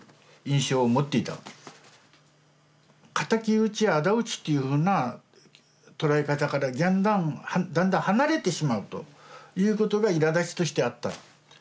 仇討ちやあだ討ちっていうふうな捉え方からだんだん離れてしまうということがいらだちとしてあった。